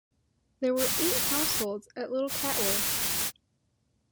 There were eight households at Little Catworth.